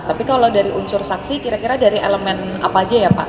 tapi kalau dari unsur saksi kira kira dari elemen apa aja ya pak